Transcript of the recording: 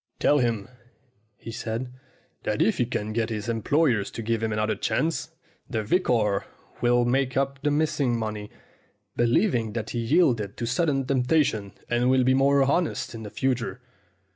'Tell him,' he says, 'that if he can get his employers to give him another chance, the vicar will make up the missing money, believing that he yielded to sudden temptation and will be more honest in the future.'